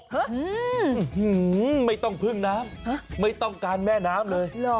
ไม่ต้องพึ่งน้ำไม่ต้องการแม่น้ำเลย